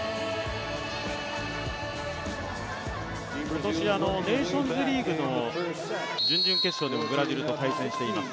今年、ネーションズリーグの準々決勝でもブラジルと対戦しています。